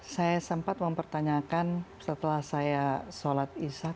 saya sempat mempertanyakan setelah saya sholat ishak